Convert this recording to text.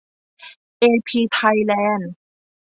เอพี ไทยแลนด์